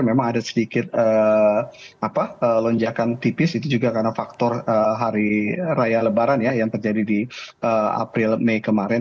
memang ada sedikit lonjakan tipis itu juga karena faktor hari raya lebaran ya yang terjadi di april mei kemarin